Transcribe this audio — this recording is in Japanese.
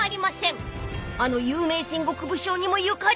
［あの有名戦国武将にもゆかりが］